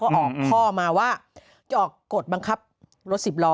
ก็ออกข้อมาว่าจะออกกฎบังคับรถสิบล้อ